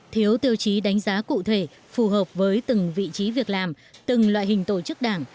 thiếu tiêu chí đánh giá cụ thể phù hợp với từng vị trí việc làm từng loại hình tổ chức đảng